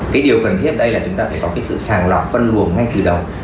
cái điều cần thiết đây là chúng ta phải có cái sự sàng lọc phân luồng ngay từ đầu